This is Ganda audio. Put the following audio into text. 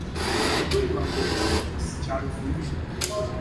Olugoye lwange olw'essomero sikyalufunye?